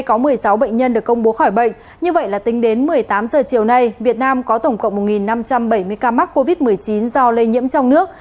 có một mươi sáu bệnh nhân được công bố khỏi bệnh như vậy là tính đến một mươi tám giờ chiều nay việt nam có tổng cộng một năm trăm bảy mươi ca mắc covid một mươi chín do lây nhiễm trong nước